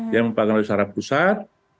yang dipanggil secara pusat